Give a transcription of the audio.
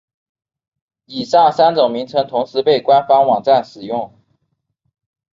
以上三种名称同时被官方网站使用。